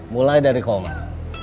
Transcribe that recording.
mulai dari komar